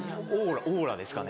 オーラですかね。